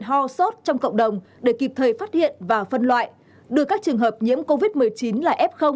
ho sốt trong cộng đồng để kịp thời phát hiện và phân loại đưa các trường hợp nhiễm covid một mươi chín là f